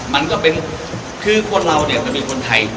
มันก็เป็นคือคนเราเนี่ยมันเป็นคนไทย